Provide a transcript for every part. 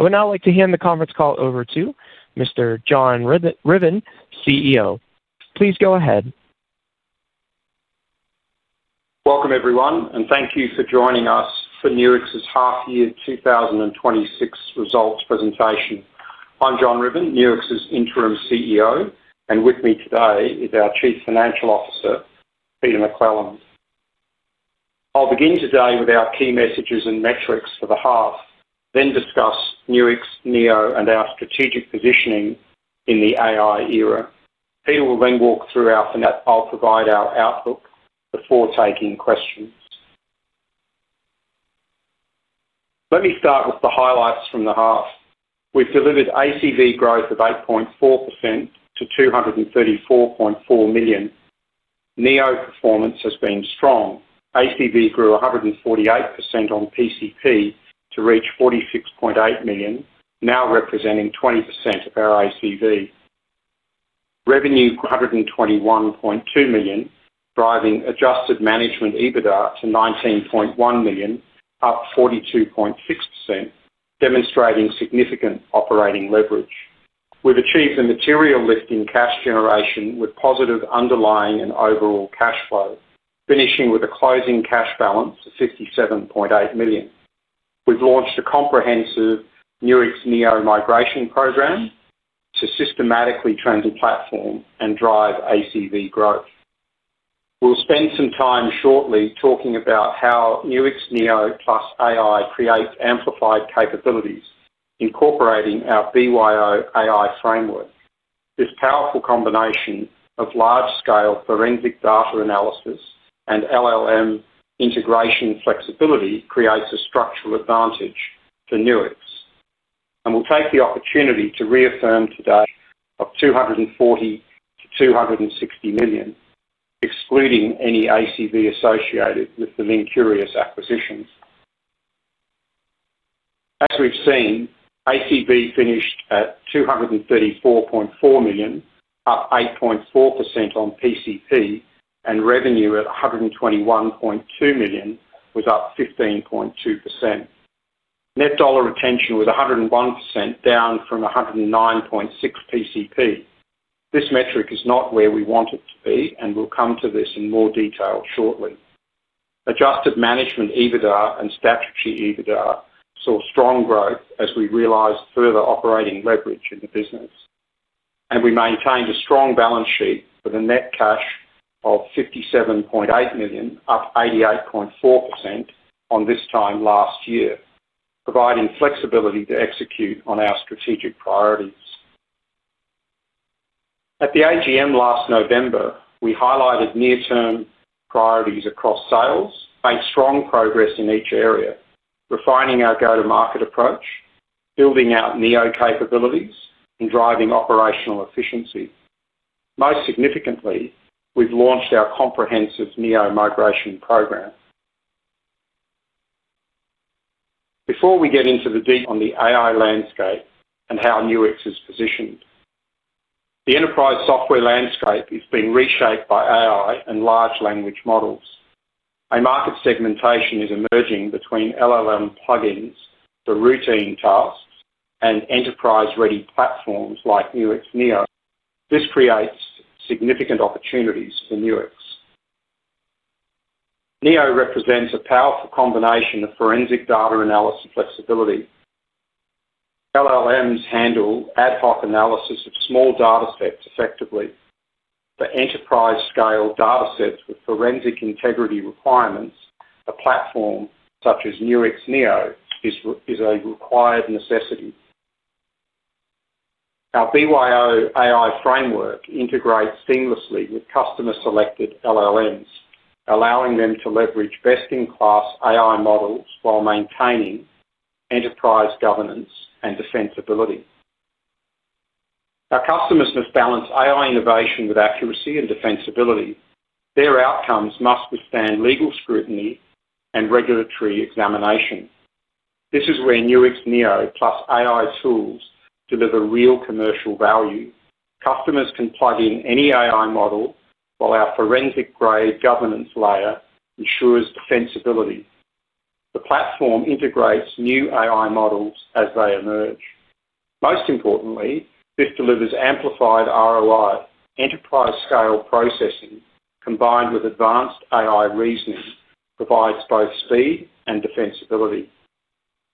I would now like to hand the conference call over to Mr. John Ruthven, Chief Executive Officer. Please go ahead. Welcome, everyone, and thank thank you for joining us for Nuix's Half Year 2026 results presentation. I'm John Ruthven, Nuix's Interim Chief Executive Officer, and with me today is our Chief Financial Officer, Peter McClelland. I'll begin today with our key messages and metrics for the half, discuss Nuix Neo and our strategic positioning in the AI era. Peter will walk through our finance. I'll provide our outlook before taking questions. Let me start with the highlights from the half. We've delivered ACV growth of 8.4% to 234.4 million. Neo performance has been strong. ACV grew 148% on PCP to reach 46.8 million, now representing 20% of our ACV. Revenue, 121.2 million, driving adjusted management EBITDA to 19.1 million, up 42.6%, demonstrating significant operating leverage. We've achieved a material lift in cash generation with positive underlying and overall cash flow, finishing with a closing cash balance of 67.8 million. We've launched a comprehensive Nuix Neo migration program to systematically transit platform and drive ACV growth. We'll spend some time shortly talking about how Nuix Neo+ AI creates amplified capabilities, incorporating our BYO AI framework. This powerful combination of large-scale forensic data analysis and LLM integration flexibility creates a structural advantage to Nuix, and we'll take the opportunity to reaffirm today of 240 million-260 million, excluding any ACV associated with the Linkurious acquisitions. As we've seen, ACV finished at 234.4 million, up 8.4% on PCP, and revenue at 121.2 million was up 15.2%. Net dollar retention was 101%, down from 109.6 PCP. This metric is not where we want it to be, and we'll come to this in more detail shortly. Adjusted management, EBITDA and statutory EBITDA, saw strong growth as we realized further operating leverage in the business, and we maintained a strong balance sheet with a net cash of 57.8 million, up 88.4% on this time last year, providing flexibility to execute on our strategic priorities. At the AGM last November, we highlighted near-term priorities across sales, made strong progress in each area, refining our go-to-market approach, building out Neo capabilities, and driving operational efficiency. Most significantly, we've launched our comprehensive Neo migration program. Before we get into the deep on the AI landscape and how Nuix is positioned, the enterprise software landscape is being reshaped by AI and large language models. A market segmentation is emerging between LLM plugins for routine tasks and enterprise-ready platforms like Nuix Neo. This creates significant opportunities for Nuix. Neo represents a powerful combination of forensic data analysis flexibility. LLMs handle ad hoc analysis of small datasets effectively. For enterprise-scale datasets with forensic integrity requirements, a platform such as Nuix Neo is a required necessity. Our BYO AI framework integrates seamlessly with customer-selected LLMs, allowing them to leverage best-in-class AI models while maintaining enterprise governance and defensibility. Our customers must balance AI innovation with accuracy and defensibility. Their outcomes must withstand legal scrutiny and regulatory examination. This is where Nuix Neo plus AI tools deliver real commercial value. Customers can plug in any AI model, while our forensic-grade governance layer ensures defensibility. The platform integrates new AI models as they emerge. Most importantly, this delivers amplified ROI. Enterprise-scale processing, combined with advanced AI reasoning, provides both speed and defensibility.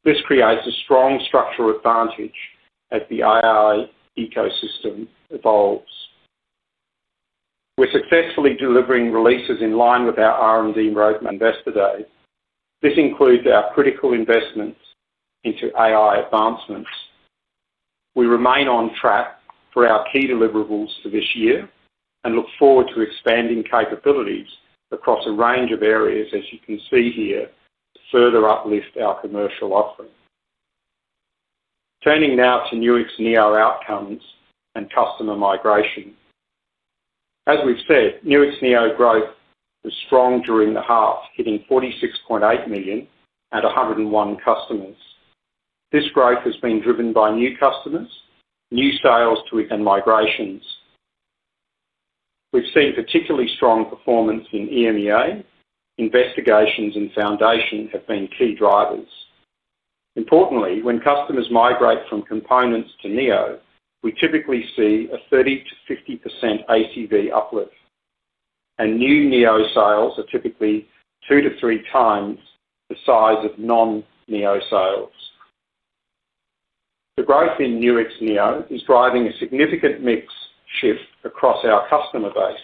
This creates a strong structural advantage as the AI ecosystem evolves. We're successfully delivering releases in line with our R&D roadmap Investor Day. This includes our critical investments into AI advancements. We remain on track for our key deliverables for this year and look forward to expanding capabilities across a range of areas, as you can see here, to further uplift our commercial offering. Turning now to Nuix Neo outcomes and customer migration. As we've said, Nuix Neo growth was strong during the half, hitting 46.8 million at 101 customers. This growth has been driven by new customers, new sales to within migrations. We've seen particularly strong performance in EMEA. Investigations and foundation have been key drivers. Importantly, when customers migrate from components to Neo, we typically see a 30%-50% ACV uplift, and new Neo sales are typically 2x-3x the size of non-Neo sales. The growth in Nuix Neo is driving a significant mix shift across our customer base.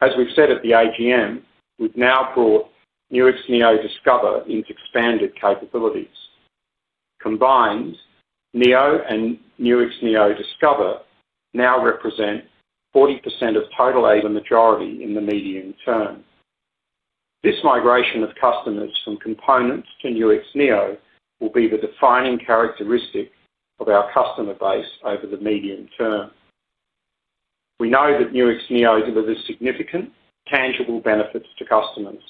As we've said at the AGM, we've now brought Nuix Neo Discover into expanded capabilities. Combined, Neo and Nuix Neo Discover now represent 40% of total area majority in the medium term. This migration of customers from components to Nuix Neo will be the defining characteristic of our customer base over the medium term. We know that Nuix Neo delivers significant tangible benefits to customers.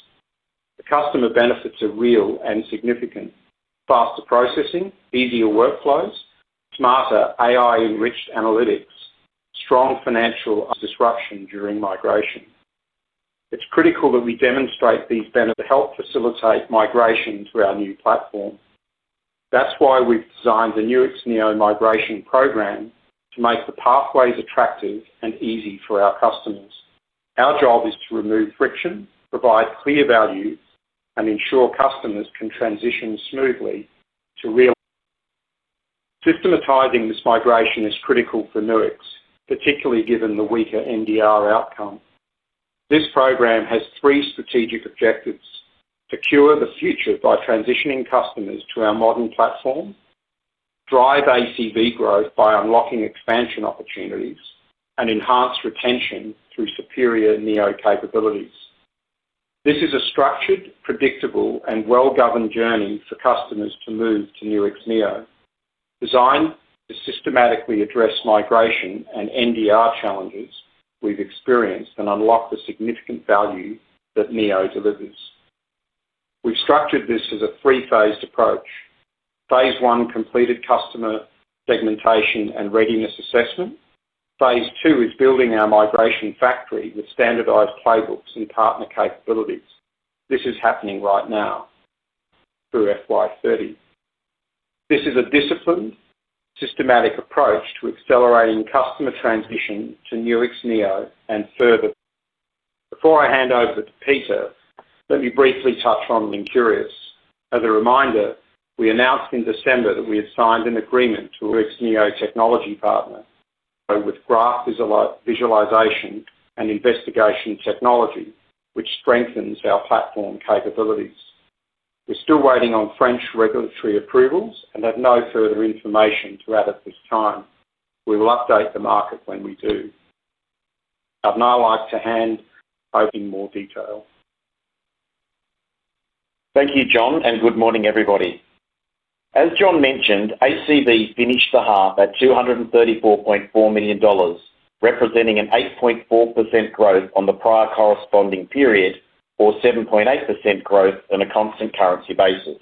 The customer benefits are real and significant. Faster processing, easier workflows, smarter AI-enriched analytics, strong financial disruption during migration. It's critical that we demonstrate these benefits to help facilitate migration to our new platform. That's why we've designed the Nuix Neo migration program, to make the pathways attractive and easy for our customers. Our job is to remove friction, provide clear value, and ensure customers can transition smoothly to real. Systematizing this migration is critical for Nuix, particularly given the weaker NDR outcome. This program has three strategic objectives: secure the future by transitioning customers to our modern platform, drive ACV growth by unlocking expansion opportunities, and enhance retention through superior Neo capabilities. This is a structured, predictable, and well-governed journey for customers to move to Nuix Neo. Designed to systematically address migration and NDR challenges we've experienced and unlock the significant value that Neo delivers. We've structured this as a three-phased approach. Phase I, completed customer segmentation and readiness assessment. Phase II is building our migration factory with standardized playbooks and partner capabilities. This is happening right now through FY30. This is a disciplined, systematic approach to accelerating customer transition to Nuix Neo and further. Before I hand over to Peter, let me briefly touch on Linkurious. As a reminder, we announced in December that we had signed an agreement to Nuix Neo technology partner, with graph visualization and investigation technology, which strengthens our platform capabilities. We're still waiting on French regulatory approvals and have no further information to add at this time. We will update the market when we do. I'd now like to hand over in more detail. Thank you, John, and good morning, everybody. As John mentioned, ACV finished the half at $234.4 million, representing an 8.4% growth on the prior corresponding period, or 7.8% growth on a constant currency basis.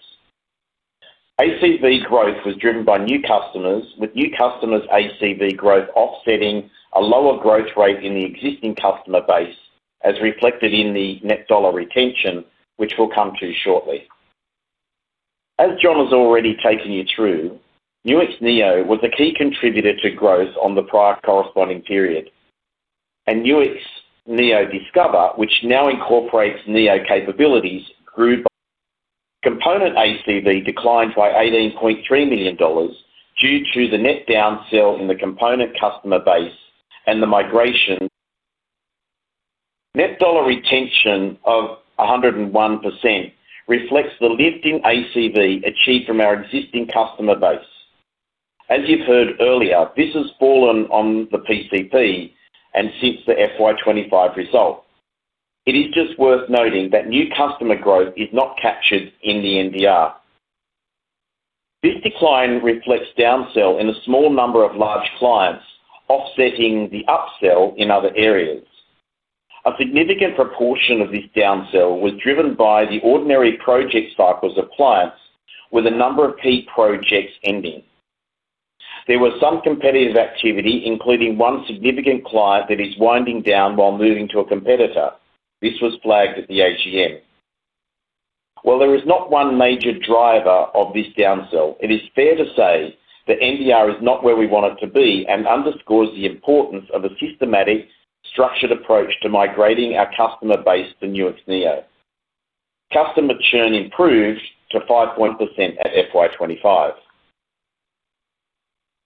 ACV growth was driven by new customers, with new customers' ACV growth offsetting a lower growth rate in the existing customer base, as reflected in the net dollar retention, which we'll come to shortly. As John has already taken you through, Nuix Neo was a key contributor to growth on the prior corresponding period, and Nuix Neo Discover, which now incorporates Neo capabilities, grew. Component ACV declined by $18.3 million due to the net downsell in the component customer base and the migration. Net dollar retention of 101% reflects the lifting ACV achieved from our existing customer base. As you've heard earlier, this has fallen on the PCP and since the FY25 result. It is just worth noting that new customer growth is not captured in the NDR. This decline reflects downsell in a small number of large clients, offsetting the upsell in other areas. A significant proportion of this downsell was driven by the ordinary project cycles of clients, with a number of peak projects ending. There was some competitive activity, including one significant client that is winding down while moving to a competitor. This was flagged at the AGM. While there is not one major driver of this downsell, it is fair to say that NDR is not where we want it to be and underscores the importance of a systematic, structured approach to migrating our customer base to Nuix Neo. Customer churn improved to 5% at FY25.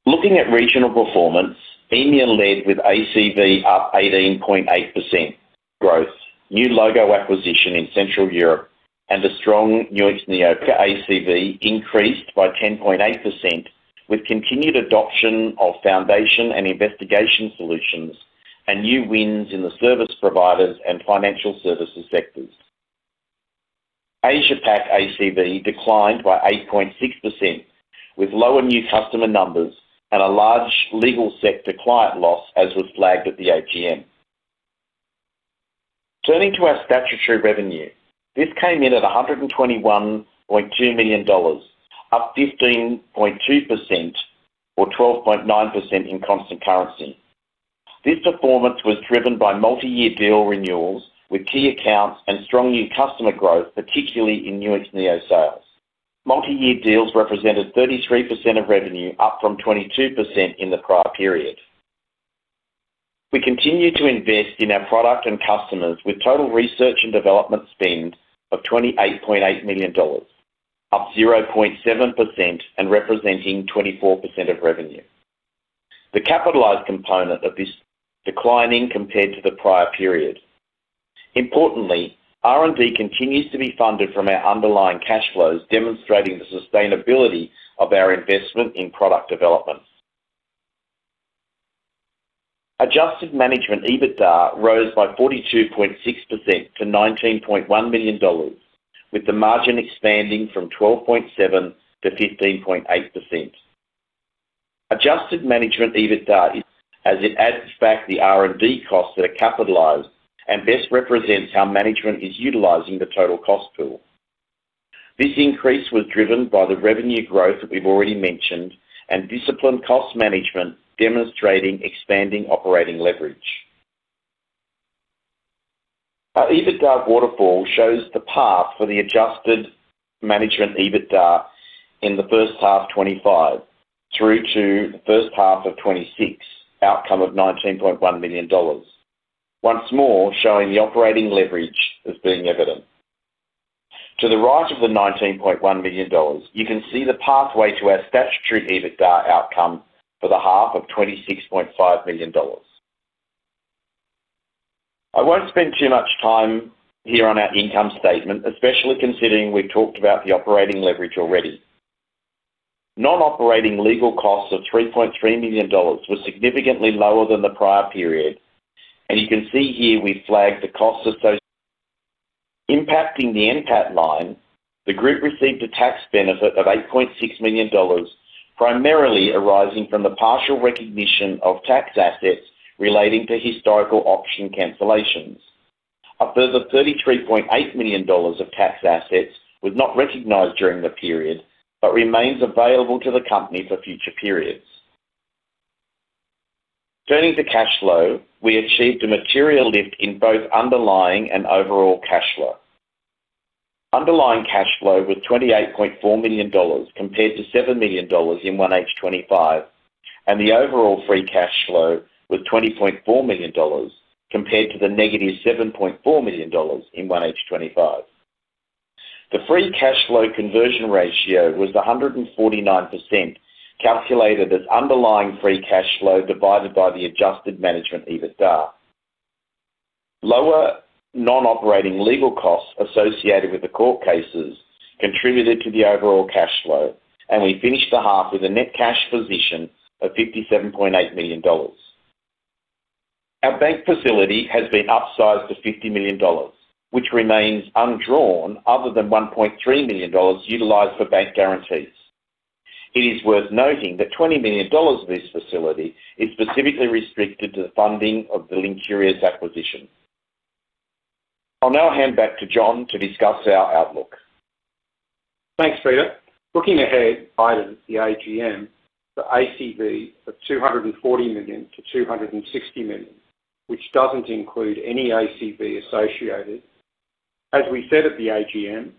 Looking at regional performance, EMEA led with ACV up 18.8% growth. New logo acquisition in Central Europe and a strong Nuix Neo ACV increased by 10.8%, with continued adoption of foundation and investigation solutions, and new wins in the service providers and financial services sectors. Asia Pac ACV declined by 8.6%, with lower new customer numbers and a large legal sector client loss, as was flagged at the AGM. Turning to our statutory revenue, this came in at $121.2 million, up 15.2% or 12.9% in constant currency. This performance was driven by multi-year deal renewals with key accounts and strong new customer growth, particularly in Nuix Neo sales. Multi-year deals represented 33% of revenue, up from 22% in the prior period. We continue to invest in our product and customers with total research and development spend of $28.8 million, up 0.7% and representing 24% of revenue. The capitalized component of this declining compared to the prior period. R&D continues to be funded from our underlying cash flows, demonstrating the sustainability of our investment in product development. Adjusted management EBITDA rose by 42.6% to 19.1 million dollars, with the margin expanding from 12.7%-15.8%. Adjusted management EBITDA, as it adds back the R&D costs that are capitalized and best represents how management is utilizing the total cost pool. This increase was driven by the revenue growth that we've already mentioned and disciplined cost management, demonstrating expanding operating leverage. Our EBITDA waterfall shows the path for the adjusted management EBITDA in the first half 2025 through to the first half of 2026 outcome of 19.1 million dollars. Once more, showing the operating leverage as being evident. To the right of the 19.1 million dollars, you can see the pathway to our statutory EBITDA outcome for the half of 26.5 million dollars. I won't spend too much time here on our income statement, especially considering we've talked about the operating leverage already. Non-operating legal costs of 3.3 million dollars were significantly lower than the prior period, and you can see here we flagged the costs associated. Impacting the NPAT line, the group received a tax benefit of 8.6 million dollars, primarily arising from the partial recognition of tax assets relating to historical option cancellations. A further AUD 33.8 million of tax assets was not recognized during the period, but remains available to the company for future periods. Turning to cash flow, we achieved a material lift in both underlying and overall cash flow. Underlying cash flow was $28.4 million, compared to $7 million in 1H '25. The overall free cash flow was $20.4 million, compared to -$7.4 million in 1H '25. The free cash flow conversion ratio was 149%, calculated as underlying free cash flow divided by the adjusted management EBITDA. Lower non-operating legal costs associated with the court cases contributed to the overall cash flow, and we finished the half with a net cash position of $57.8 million. Our bank facility has been upsized to $50 million, which remains undrawn other than $1.3 million utilized for bank guarantees. It is worth noting that $20 million of this facility is specifically restricted to the funding of the Linkurious acquisition. I'll now hand back to John to discuss our outlook. Thanks, Peter. Looking ahead, items at the AGM for ACV of 240 million-260 million, which doesn't include any ACV associated. As we said at the AGM,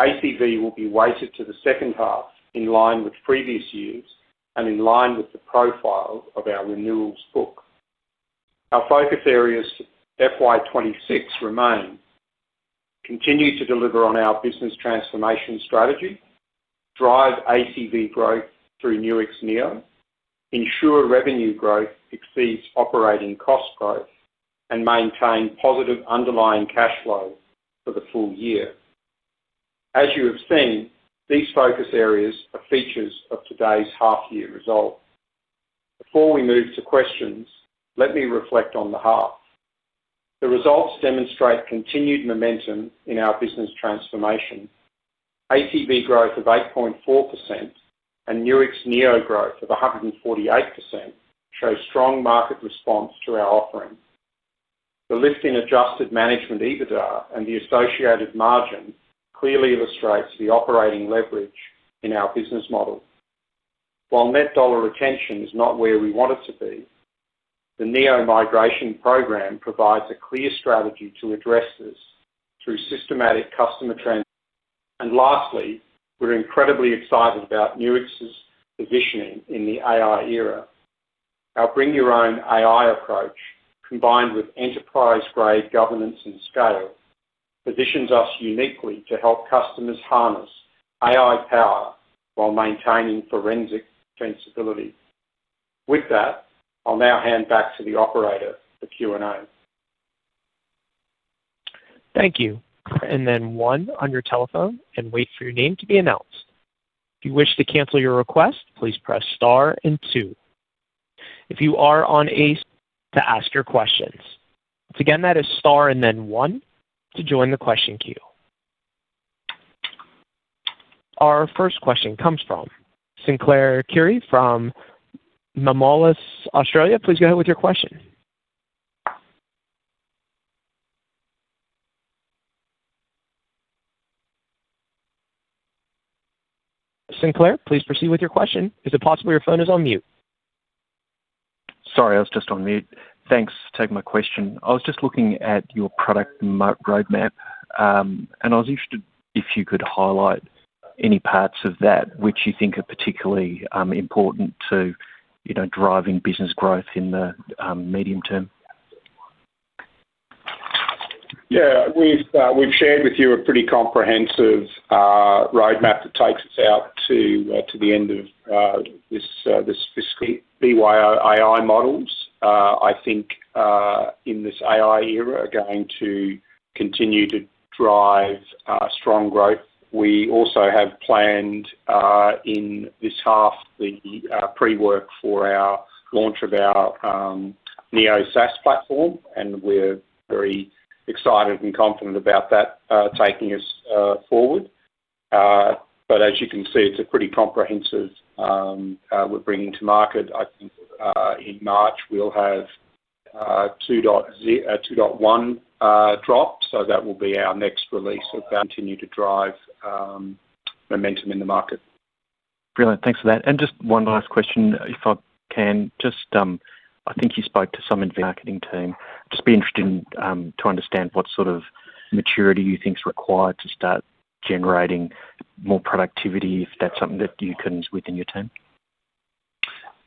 ACV will be weighted to the second half, in line with previous years and in line with the profile of our renewals book. Our focus areas, FY26 remain: continue to deliver on our business transformation strategy, drive ACV growth through Nuix Neo, ensure revenue growth exceeds operating cost growth, and maintain positive underlying cash flows for the full year. As you have seen, these focus areas are features of today's half year results. Before we move to questions, let me reflect on the half. The results demonstrate continued momentum in our business transformation. ACV growth of 8.4% and Nuix Neo growth of 148% show strong market response to our offerings. The lift in adjusted management EBITDA and the associated margin clearly illustrates the operating leverage in our business model. While net dollar retention is not where we want it to be, the Neo migration program provides a clear strategy to address this through systematic customer trends. Lastly, we're incredibly excited about Nuix's positioning in the AI era. Our Bring Your Own AI approach, combined with enterprise-grade governance and scale, positions us uniquely to help customers harness AI power while maintaining forensic defensibility. With that, I'll now hand back to the operator for Q&A. Thank you. Then 1 on your telephone and wait for your name to be announced. If you wish to cancel your request, please press Star and 2. If you are on to ask your questions. Again, that is Star and then 1 to join the question queue. Our first question comes from Sinclair Currie from MA Moelis Australia. Please go ahead with your question. Sinclair, please proceed with your question. Is it possible your phone is on mute? Sorry, I was just on mute. Thanks for taking my question. I was just looking at your product roadmap, I was interested if you could highlight any parts of that which you think are particularly important to, you know, driving business growth in the medium term. Yeah, we've shared with you a pretty comprehensive roadmap that takes us out to the end of this fiscal year. BYO AI models, I think, in this AI era, are going to continue to drive strong growth. We also have planned in this half the pre-work for our launch of our Neo SaaS platform, and we're very excited and confident about that taking us forward. As you can see, it's a pretty comprehensive we're bringing to market. I think, in March, we'll have 2.1 drop, so that will be our next release of continue to drive momentum in the market. Brilliant. Thanks for that. Just one last question, if I can just, I think you spoke to some marketing team. Just be interested in, to understand what sort of maturity you think is required to start generating more productivity, if that's something that you can within your team?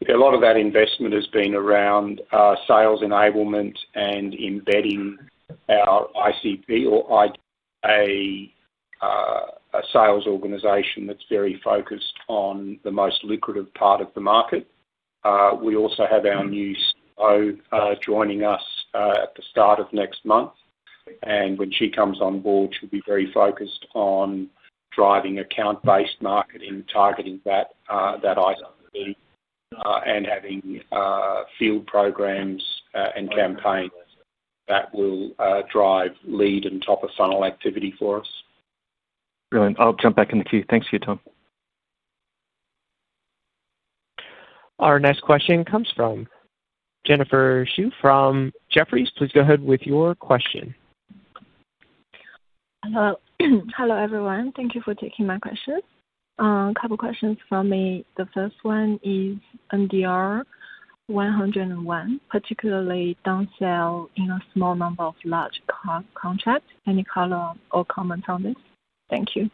A lot of that investment has been around, sales enablement and embedding our ICP or IA, a sales organization that's very focused on the most lucrative part of the market. We also have our new CEO, joining us, at the start of next month, and when she comes on board, she'll be very focused on driving account-based marketing, targeting that, that ICP, and having, field programs, and campaigns that will, drive lead and top-of-funnel activity for us. Brilliant. I'll jump back in the queue. Thanks for your time. Our next question comes from Jennifer Xu from Jefferies. Please go ahead with your question. Hello. Hello, everyone. Thank you for taking my questions. A couple of questions from me. The first one is NDR 101, particularly down sell in a small number of large co-contracts. Any color or comment on this? Thank you.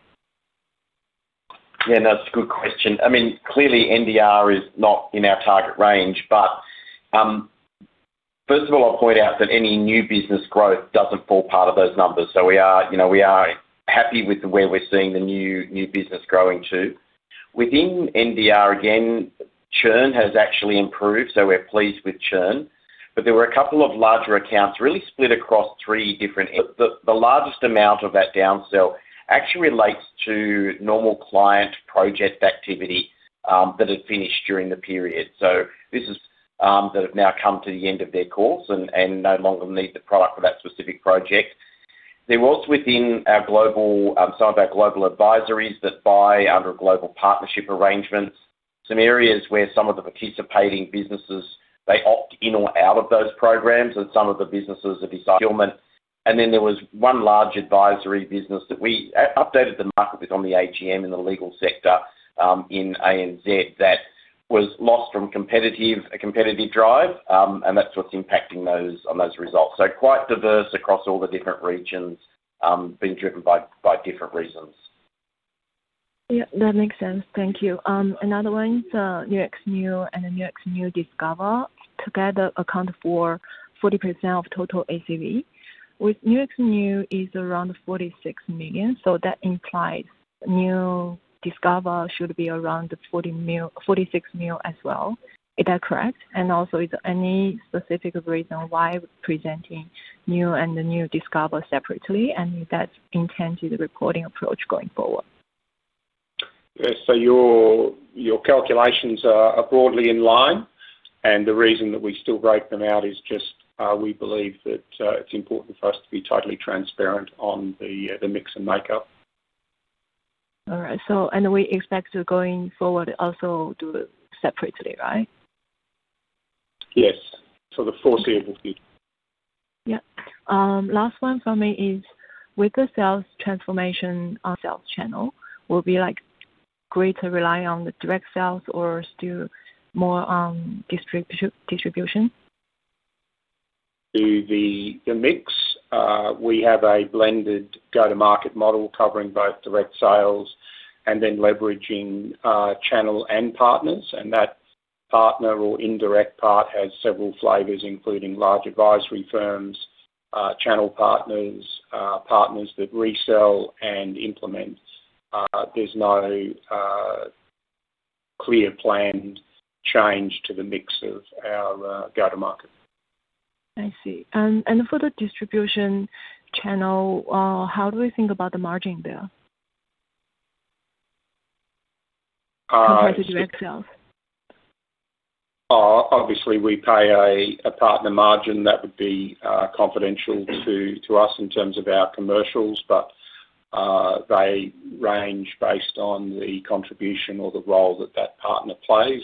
Yeah, that's a good question. I mean, clearly, NDR is not in our target range, but, first of all, I'll point out that any new business growth doesn't fall part of those numbers. We are, you know, we are happy with the way we're seeing the new, new business growing, too. Within NDR, again, churn has actually improved, so we're pleased with churn. There were a couple of larger accounts really split across three different. The, the largest amount of that down sell actually relates to normal client project activity that had finished during the period. This is that have now come to the end of their course and, and no longer need the product for that specific project. There was also within our global, some of our global advisories that buy under global partnership arrangements, some areas where some of the participating businesses, they opt in or out of those programs, and some of the businesses have decided. There was one large advisory business that we updated the market with on the AGM in the legal sector, in ANZ, that was lost from competitive, a competitive drive, and that's what's impacting those, on those results. Quite diverse across all the different regions, being driven by, by different reasons. Yeah, that makes sense. Thank you. Another one is Nuix Neo and the Nuix Neo Discover together account for 40% of total ACV, with Nuix Neo is around 46 million. That implies Nuix Neo Discover should be around the 46 million as well. Is that correct? Is there any specific reason why we're presenting Nuix Neo and the Nuix Neo Discover separately, and that's intended recording approach going forward? Yes. Your, your calculations are, are broadly in line. The reason that we still break them out is just, we believe that, it's important for us to be totally transparent on the, the mix and makeup. All right. We expect to, going forward, also do it separately, right? Yes. The foreseeable future. Yeah. Last one for me is, with the sales transformation, our sales channel will be, like, greater rely on the direct sales or still more, distribu- distribution? To the, the mix, we have a blended go-to-market model covering both direct sales and then leveraging, channel and partners, and that partner or indirect part has several flavors, including large advisory firms, channel partners, partners that resell and implement. There's no, clear planned change to the mix of our, go-to-market. I see. For the distribution channel, how do we think about the margin there? Uh- Compared to direct sales?... Obviously, we pay a partner margin that would be confidential to us in terms of our commercials, but they range based on the contribution or the role that that partner plays,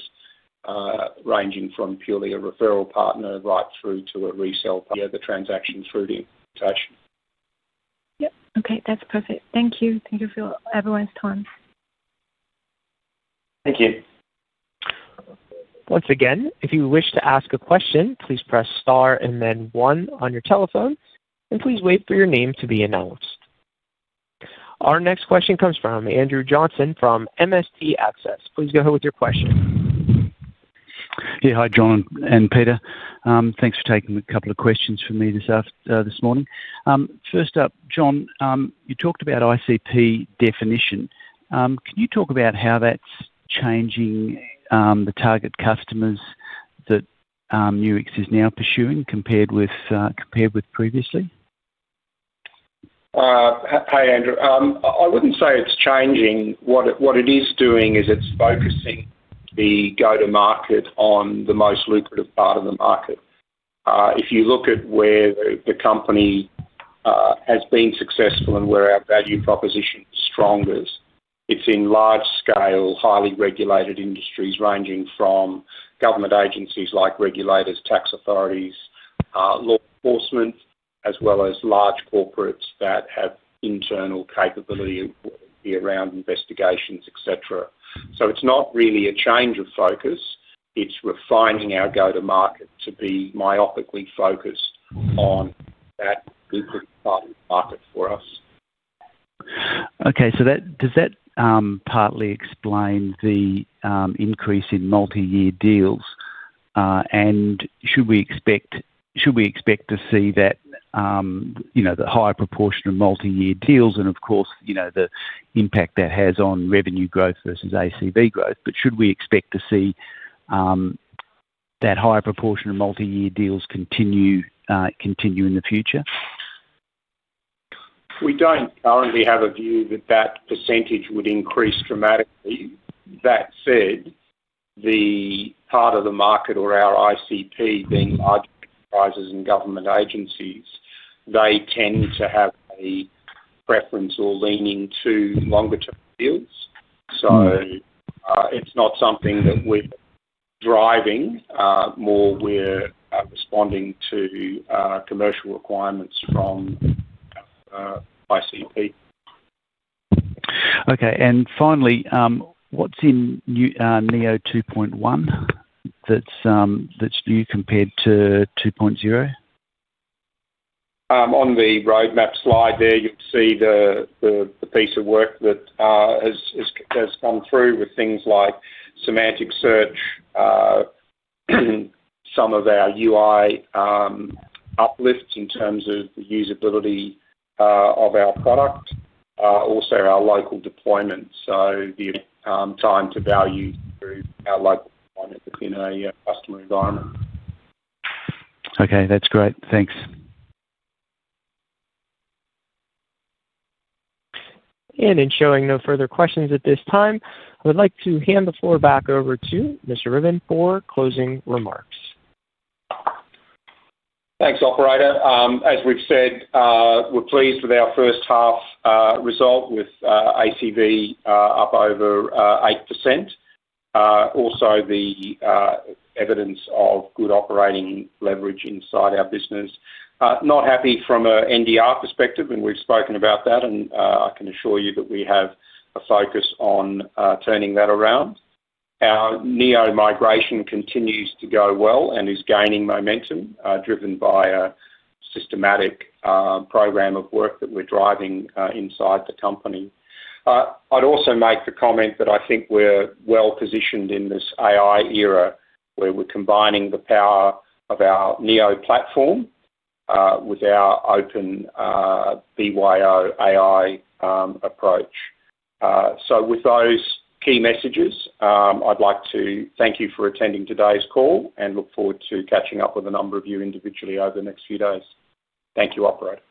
ranging from purely a referral partner right through to a resale via the transaction through the attach. Yep. Okay, that's perfect. Thank you. Thank you for everyone's time. Thank you. Once again, if you wish to ask a question, please press Star and then one on your telephone, and please wait for your name to be announced. Our next question comes from Andrew Johnston from MST Access. Please go ahead with your question. Yeah. Hi, John and Peter. Thanks for taking a couple of questions from me this morning. First up, John, you talked about ICP definition. Can you talk about how that's changing, the target customers that Nuix is now pursuing compared with previously? Hey, Andrew Johnston. I wouldn't say it's changing. What it, what it is doing is it's focusing the go-to-market on the most lucrative part of the market. If you look at where the, the company has been successful and where our value proposition is strongest, it's in large scale, highly regulated industries, ranging from government agencies like regulators, tax authorities, law enforcement, as well as large corporates that have internal capability around investigations, et cetera. It's not really a change of focus. It's refining our go-to-market to be myopically focused on that lucrative part of the market for us. Does that partly explain the increase in multi-year deals? Should we expect to see that, you know, the higher proportion of multi-year deals and of course, you know, the impact that has on revenue growth versus ACV growth, but should we expect to see that higher proportion of multi-year deals continue in the future? We don't currently have a view that that percentage would increase dramatically. That said, the part of the market or our ICP being large enterprises and government agencies, they tend to have a preference or leaning to longer-term deals. It's not something that we're driving, more we're responding to commercial requirements from ICP. Okay, finally, what's in New Neo 2.1, that's, that's new compared to 2.0? On the roadmap slide there, you'll see the, the, the piece of work that has gone through with things like Semantic Search, some of our UI, uplifts in terms of the usability of our product, also our local deployment. The time to value through our local deployment within a customer environment. Okay, that's great. Thanks. In showing no further questions at this time, I would like to hand the floor back over to Mr. Ruthven for closing remarks. Thanks, operator. As we've said, we're pleased with our first half result with ACV up over 8%. Also the evidence of good operating leverage inside our business. Not happy from a NDR perspective, and we've spoken about that, and I can assure you that we have a focus on turning that around. Our Neo migration continues to go well and is gaining momentum, driven by a systematic program of work that we're driving inside the company. I'd also make the comment that I think we're well-positioned in this AI era, where we're combining the power of our Neo platform with our open BYO AI approach. With those key messages, I'd like to thank you for attending today's call and look forward to catching up with a number of you individually over the next few days. Thank you, operator.